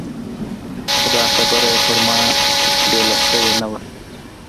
خو دا خبره یې پر ما بېله شوې نه وه.